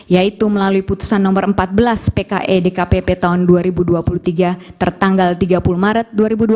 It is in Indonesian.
yaitu melalui putusan nomor empat belas pke dkpp tahun dua ribu dua puluh tiga tertanggal tiga puluh maret dua ribu dua puluh